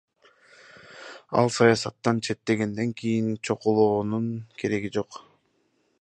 Ал саясаттан четтегенден кийин чукулоонун кереги жок.